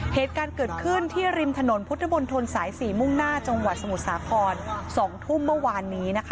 เหตุการณ์เกิดขึ้นที่ริมถนนพุทธมนตรสาย๔มุ่งหน้าจังหวัดสมุทรสาคร๒ทุ่มเมื่อวานนี้นะคะ